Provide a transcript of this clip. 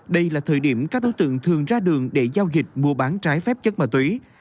đây là thời điểm các đối tượng thường ra đường để giao dịch mua bán trái phép chất ma túy